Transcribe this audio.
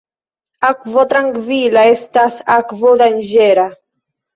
Akvo trankvila estas akvo danĝera.